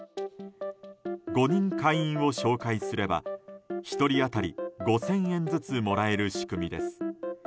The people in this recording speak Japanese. ５人、会員を紹介すれば１人当たり５０００円ずつもらえる仕組みです。